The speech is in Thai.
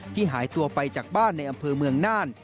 หายตัวไปจากบ้านในอำเภอเมืองน่าน